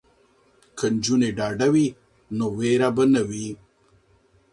که نجونې ډاډه وي نو ویره به نه وي.